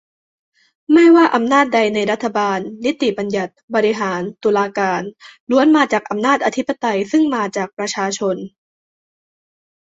ไม่ว่าอำนาจใดในรัฐบาล นิติบัญญัติ บริหาร ตุลาการ ล้วนมาจากอำนาจอธิปไตยซึ่งมาจากประชาชน